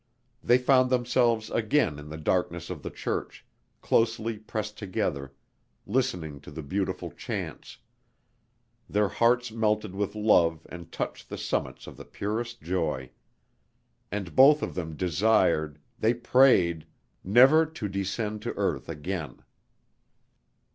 They found themselves again in the darkness of the church, closely pressed together, listening to the beautiful chants; their hearts melted with love and touched the summits of the purest joy. And both of them desired they prayed never to descend to earth again.